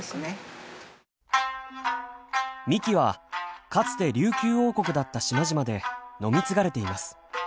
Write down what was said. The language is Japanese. みきはかつて琉球王国だった島々で飲み継がれています。